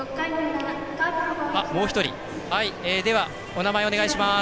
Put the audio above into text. もう１人では、お名前お願いします。